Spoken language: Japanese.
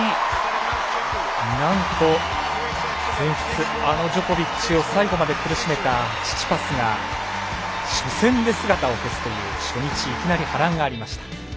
なんと全仏あのジョコビッチを最後まで苦しめたチチパスが初戦で姿を消すという初日、いきなり波乱がありました。